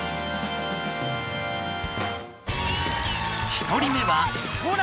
１人目はソラ。